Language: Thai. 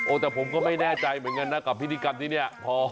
แต่ผมก็ไม่แน่ใจเหมือนกันนะกับพิธีกรรมที่เนี่ยพอ